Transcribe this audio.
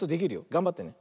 がんばってね。